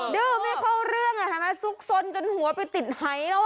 ดืมมันเข้าเรื่องทำไมซุกซนจนหัวไปติดไหล่แล้ว